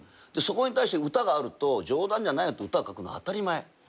そこに対して歌があると冗談じゃないよって歌書くの当たり前。